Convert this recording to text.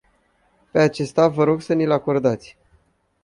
Pe acesta vă rog să ni-l acordați.